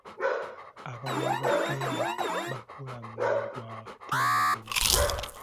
Abaaweebwa ttenda baakola omulimu ogw'ettendo.